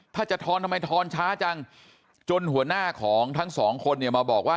ถ้าจะทอนทำไมทอนช้าจังจนหัวหน้าของทั้งสองคนเนี่ยมาบอกว่า